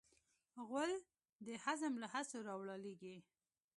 غول د هضم له هڅو راولاړیږي.